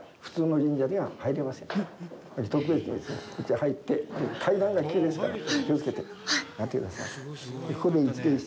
入って、階段が急ですから、気をつけて上がってください。